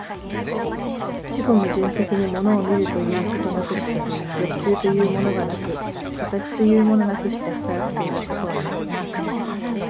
自己矛盾的に物を見るということなくして欲求というものがなく、形というものなくして働くということはない。